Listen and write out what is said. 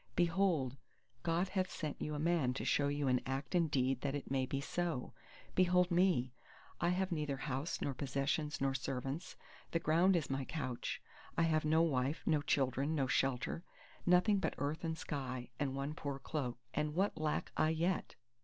Behold God hath sent you a man to show you in act and deed that it may be so. Behold me! I have neither house nor possessions nor servants: the ground is my couch; I have no wife, no children, no shelter—nothing but earth and sky, and one poor cloak. And what lack I yet?